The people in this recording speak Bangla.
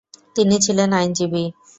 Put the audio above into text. তিনি ছিলেন আইনজীবী।